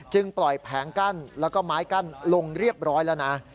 ปล่อยแผงกั้นแล้วก็ไม้กั้นลงเรียบร้อยแล้วนะ